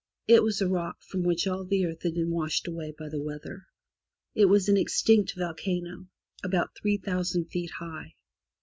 It was a rock from which all the earth had been washed away by the weather. It was an extinct volcano, about three thousand feet high.